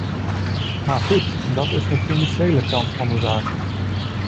Maar goed, dat is een financiële kant van de zaak.